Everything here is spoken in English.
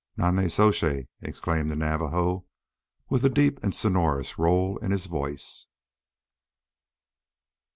"Nonnezoshe!" exclaimed the Navajo, with a deep and sonorous roll in his voice.